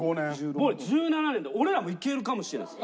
僕ら１７年で俺らもいけるかもしれないです。